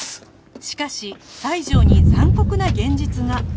しかし西条に残酷な現実が